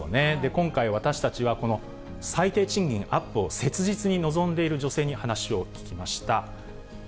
今回、私たちはこの最低賃金アップを切実に望んでいる女性に話を聞きました。